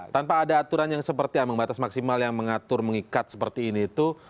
tanpa ada aturan yang seperti ambang batas maksimal yang mengatur mengikat seperti ini itu